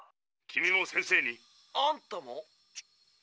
君も先生に？あんたも？